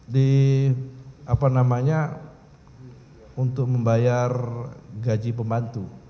di apa namanya untuk membayar gaji pembantu